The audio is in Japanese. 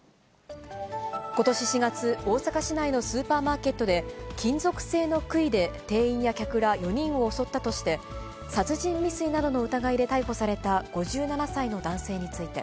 ことし４月、大阪市内のスーパーマーケットで、金属製のくいで店員や客ら４人を襲ったとして、殺人未遂などの疑いで逮捕された５７歳の男性について、